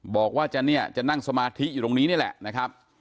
บอกว่าจะเนี่ยจะนั่งสมาธิอยู่ตรงนี้นี่แหละนะครับ